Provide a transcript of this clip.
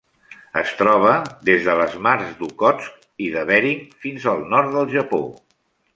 Es troba des de les mars d'Okhotsk i de Bering fins al nord del Japó.